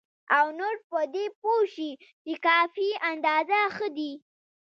او نور په دې پوه شي چې کافي اندازه ښه دي.